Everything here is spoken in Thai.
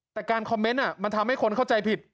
แต่การคอมเมนต์มันทำให้คนเข้าใจผิด